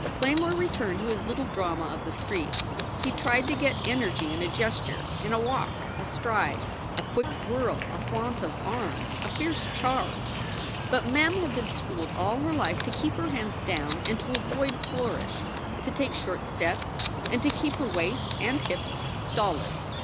Clay more returned to his little drama of the street. He tried to get energy in a gesture, in a walk, a stride, a quick whirl, a flaunt of arms, a fierce charge. SOULS FOR SALE 233 But Mem had been schooled all her life to keep her hands down and to avoid flourish, to take short steps and to keep her waist and hips stolid.